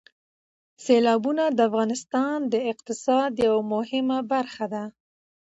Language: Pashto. سیلابونه د افغانستان د اقتصاد یوه مهمه برخه ده.